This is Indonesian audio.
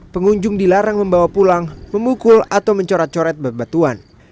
pengunjung dilarang membawa pulang memukul atau mencorat coret batuan